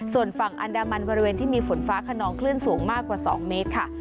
ส่วนฝั่งอันดามันบริเวณที่มีฝนฟ้าขนองคลื่นสูงมากกว่า๒เมตรค่ะ